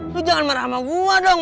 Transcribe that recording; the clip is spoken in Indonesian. aku jangan marah sama gue dong